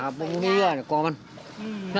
ลูกอยู่คุณเทพถ้ามหากินนั่นล่ะ